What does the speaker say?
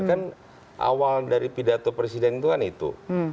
kan awal dari pidato presiden itu kan itu